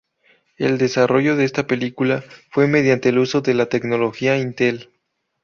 El desarrollo de esta película fue mediante el uso de la tecnología Intel.